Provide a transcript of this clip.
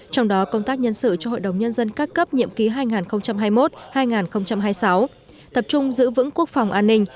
trong đó công tác nhân sự cho hội đồng nhân dân các cấp nhiệm ký hai nghìn hai mươi một hai nghìn hai mươi sáu tập trung giữ vững quốc phòng an ninh